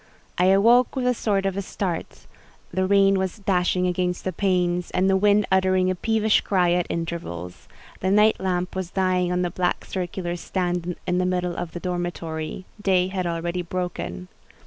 I awoke with a sort of start; the rain was dashing against the panes, and the wind uttering a peevish cry at intervals; the night lamp was dying on the black circular stand in the middle of the dormitory: day had already broken.